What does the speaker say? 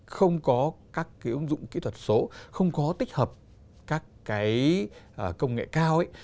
không có các ứng dụng kỹ thuật số không có tích hợp các công nghệ cao